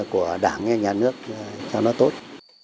của đảng và nhà nước cho nó tốt